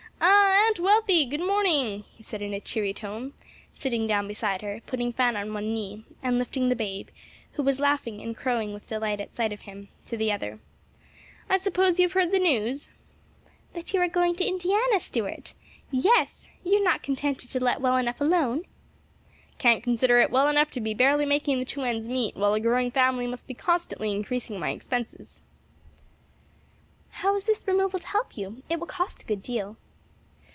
"Ah, Aunt Wealthy, good morning!" he said in a cheery tone, sitting down beside her, putting Fan on one knee, and lifting the babe, who was laughing and crowing with delight at sight of him, to the other. "I suppose you have heard the news?" "That you are going to Indiana, Stuart! Yes. You are not contented to let well enough alone?" "Can't consider it well enough to be barely making the two ends meet while a growing family must be constantly increasing my expenses." "How is this removal to help you? It will cost a good deal."